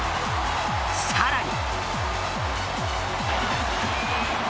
更に。